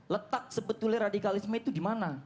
letak sebetulnya radikalisme itu di mana